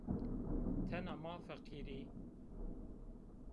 Tena ma feqîr î.